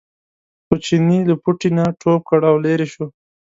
خو چیني له پوټي نه ټوپ کړ او لرې شو.